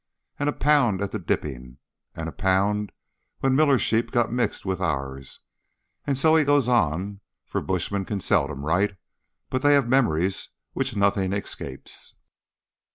And a pound at the dipping. And a pound when Millar's sheep got mixed with ourn;" and so he goes on, for bushmen can seldom write, but they have memories which nothing escapes.